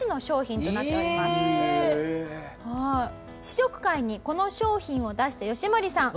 試食会にこの商品を出したヨシモリさん。